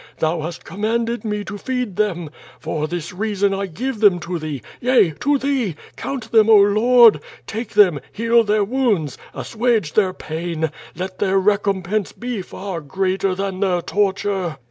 Thou hast commanded me to feed them. For this reason I give them to Thee. Yea! To Thee! Count them, 0 Lord! Take them, heal their wounds, assuage their pain, let their recom pense be far greater than their torture!"